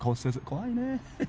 怖いね。